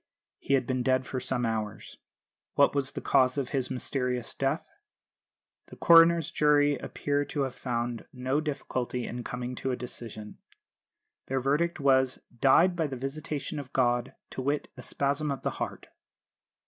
He had been dead for some hours. What was the cause of his mysterious death? The coroner's jury appear to have found no difficulty in coming to a decision. Their verdict was, "Died by the visitation of God to wit, a spasm of the heart."